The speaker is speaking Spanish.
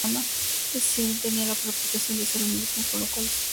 Strindberg tenía la reputación de ser un misógino, lo cual todas sus esposas negaban.